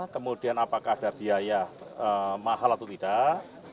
kemudian apakah ada biaya mahal atau tidak